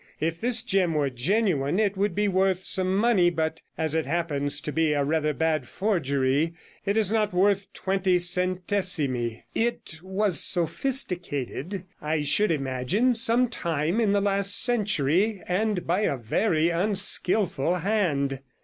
If this gem were genuine, it would be worth some money; but as it happens to be a rather bad forgery, it is not worth twenty centesimi. It was sophisticated, I should imagine, some time in the last century, and by a very unskilful hand."